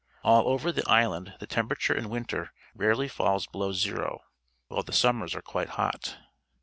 All over the island the temperature in winter rarely falls below zero, while the summers are quite hot.